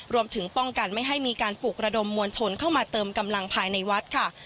รวมถึงป้องกันไม่ให้มีการปลุกระดมมวลชนเข้ามาเติมกำลังภายในวัดค่ะ